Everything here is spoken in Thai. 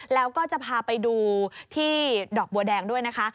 แล้วก็จะพาไปดูที่ดอกบัวแดงด้วยนะคะ